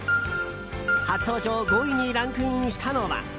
初登場、５位にランクインしたのは。